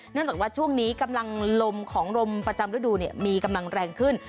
จากว่าช่วงนี้กำลังลมของลมประจำฤดูมีกำลังแรงขึ้น